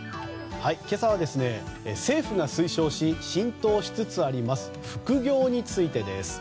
今朝は、政府が推奨し浸透しつつある副業についてです。